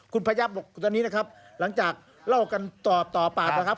คุณพยับบอกตอนนี้นะครับหลังจากเล่ากันตอบต่อปากนะครับ